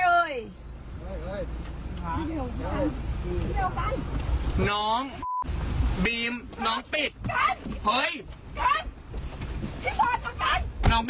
ดูต้นคุณแจกด้วยนะ